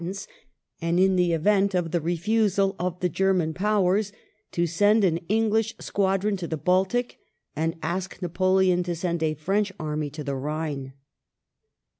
^^' ants and, in the event of the refusal of the German Powers, to send an English squadron to the Baltic, and ask Napoleon to send a French army to the Rhine.